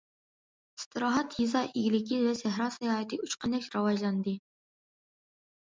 ئىستىراھەت يېزا ئىگىلىكى ۋە سەھرا ساياھىتى ئۇچقاندەك راۋاجلاندى.